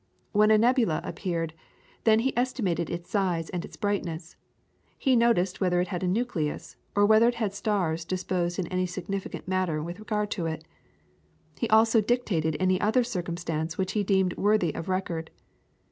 When a nebula appeared, then he estimated its size and its brightness, he noticed whether it had a nucleus, or whether it had stars disposed in any significant manner with regard to it. He also dictated any other circumstance which he deemed worthy of record.